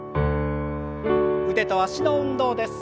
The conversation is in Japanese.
腕と脚の運動です。